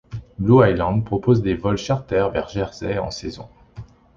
Blue Islands propose des vols charters vers Jersey en saison.